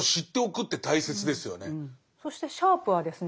そしてシャープはですね